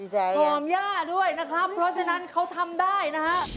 หอมย่าด้วยนะครับเพราะฉะนั้นเขาทำได้นะฮะ